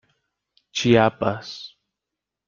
Chiapas.